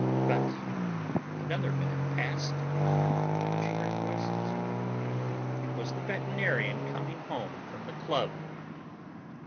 But another minute passed, she heard voices. It was the veterinarian coming home from the club.